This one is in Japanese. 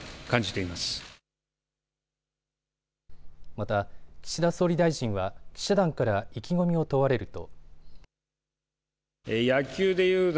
また岸田総理大臣は記者団から意気込みを問われると。